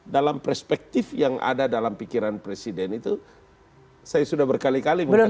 dalam perspektif yang ada dalam pikiran presiden itu saya sudah berkali kali mengatakan